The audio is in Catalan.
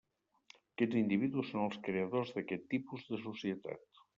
Aquests individus són els creadors d'aquest tipus de societat.